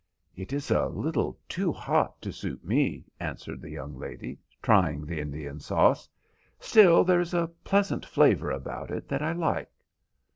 "It is a little too hot to suit me," answered the young lady, trying the Indian sauce, "still, there is a pleasant flavour about it that I like."